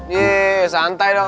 yee santai dong